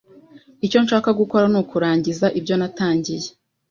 Icyo nshaka gukora nukurangiza ibyo natangiye.